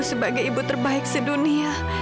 sebagai ibu terbaik sedunia